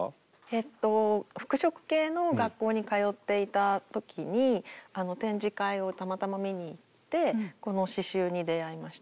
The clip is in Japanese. えっと服飾系の学校に通っていた時に展示会をたまたま見に行ってこの刺しゅうに出会いました。